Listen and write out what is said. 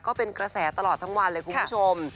ก็เป็นกระแสตลอดทั้งวันเลยคุณผู้ชม